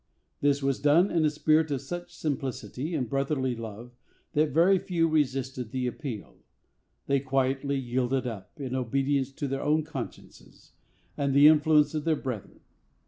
This was done in a spirit of such simplicity and brotherly love that very few resisted the appeal. They quietly yielded up, in obedience to their own consciences, and the influence of their brethren.